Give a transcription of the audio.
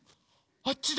あっちだ！